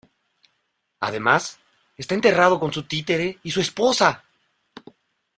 Además, está enterrado con su títere y su esposa.